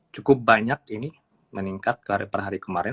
cukup banyak ini meningkat per hari kemarin